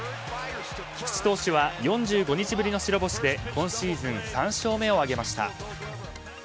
菊池投手は４５日ぶりの白星で今シーズン３勝目を挙げました。